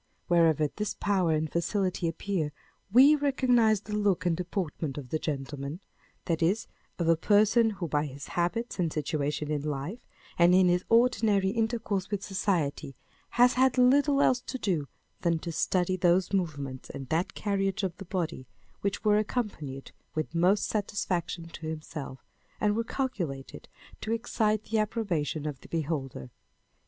Wherever this power and facility appear, we recognise the look and deportment of the gentleman, â€" that is, of a person who by his habits and situation in life, and in his ordinary inter course with society, has had little else to do than to study those movements, and that carriage of the body, which were accompanied with most satisfaction to himself, and were calculated to excite the approbation of the beholder.